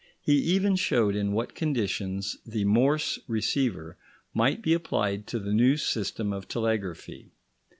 He even showed in what conditions the Morse receiver might be applied to the new system of telegraphy.